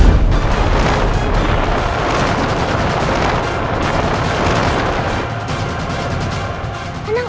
sama sama dengan kamu